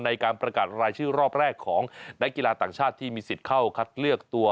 ในการประกาศรายชื่อรอบแรกของนักกีฬาต่างชาติที่มีสิทธิ์เข้าคัดเลือกตัว